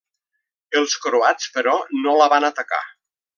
Els croats, però, no la van atacar.